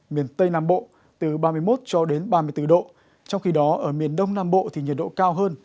miền tây nam bộ từ ba mươi một cho đến ba mươi bốn độ trong khi đó ở miền đông nam bộ thì nhiệt độ cao hơn